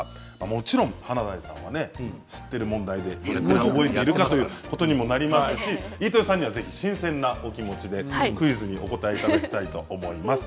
もちろん華大さんは知っている問題で覚えているかということにもなりますし飯豊さんにはぜひ新鮮なお気持ちでクイズにお答えいただきたいと思います。